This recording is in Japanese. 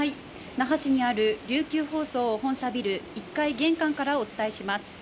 那覇市にある琉球放送本社ビル１階玄関からお伝えします。